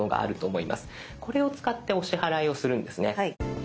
これを使ってお支払いをするんですね。